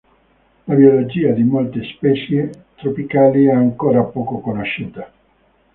La biologia di molte specie tropicali è ancora poco conosciuta.